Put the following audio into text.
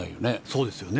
そうですね。